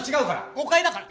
誤解だから。